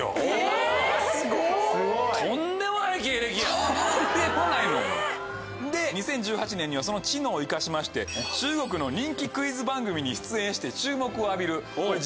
とんでもないのよ。で２０１８年にはその知能を生かしまして中国の人気クイズ番組に出演して注目を浴びる。